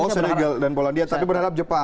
oh senegal dan polandia tapi berharap jepang